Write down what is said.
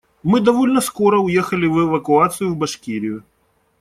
Мы довольно скоро уехали в эвакуацию в Башкирию.